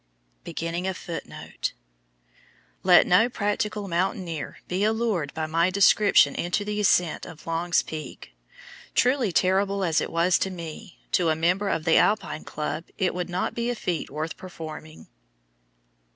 Let no practical mountaineer be allured by my description into the ascent of Long's Peak. Truly terrible as it was to me, to a member of the Alpine Club it would not be a feat worth performing.